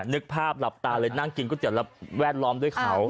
นึกภาพหลับตาเลยนั่งกินก๋วและแวดล้อมด้วยเขา